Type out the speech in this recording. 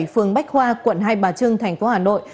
phường bách khoa quận hai bà trưng thành phố hà nội